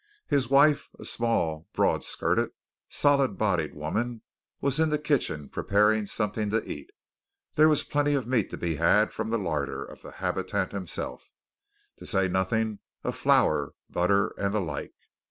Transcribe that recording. His wife, a small, broad skirted, solid bodied woman, was in the kitchen preparing something to eat. There was plenty of meat to be had from the larder of the habitant himself, to say nothing of flour, butter, and the like.